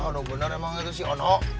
bener bener emang itu si ono